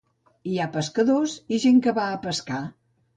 Hi ha pescadors i gent que va a pescar.